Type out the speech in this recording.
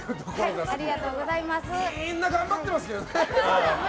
みんな頑張ってますけどね。